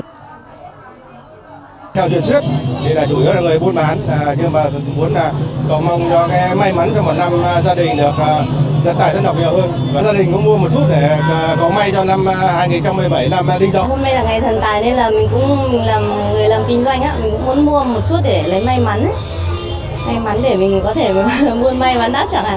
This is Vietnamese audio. theo truyền thuyết chủ yếu là người buôn bán